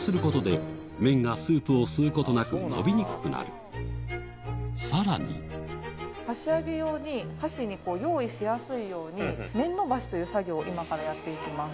まずこうすることでさらに箸上げ用に箸にこう用意しやすいように「麺伸ばし」という作業を今からやっていきます。